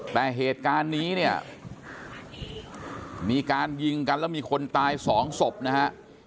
แต่เหตุการณ์นี้เนี่ยมีการยิงกันแล้วมีคนตายสองศพนะฮะ